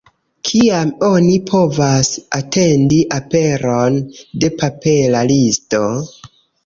Kiam oni povas atendi aperon de papera listo?